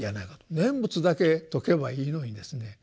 念仏だけ説けばいいのにですね